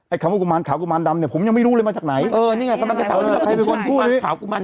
ไอ้คำว่ากุมารขาวกุมารดำเนี่ยผมยังไม่รู้เลยมาจากไหน